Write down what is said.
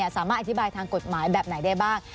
สามารถอธิบายทางกฎหมายแบบไหนได้บ้าง